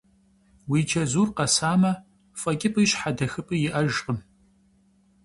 Уи чэзур къэсамэ, фӀэкӀыпӀи щхьэдэхыпӀи иӀэжкъым…